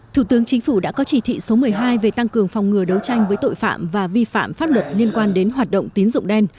thủ tướng chính phủ đã có chỉ thị số một mươi hai về tăng cường phòng ngừa đấu tranh với tội phạm và vi phạm pháp luật liên quan đến hoạt động tín dụng đen